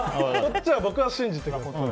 僕は信じてください。